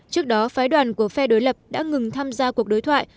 trước đó phái đoàn của phe đối lập đã ngừng tham gia cuộc đối thoại